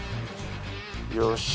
よし。